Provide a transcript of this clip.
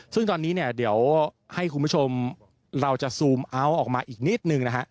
ซึ่งตอนนี้เนี่ยเดี๋ยวให้คุณผู้ชมเราจะซูมเอาท์ออกมาอีกนิดนึงนะฮะ